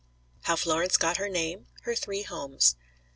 HOW FLORENCE GOT HER NAME HER THREE HOMES.